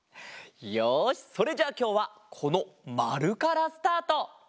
よしそれじゃあきょうはこのまるからスタート。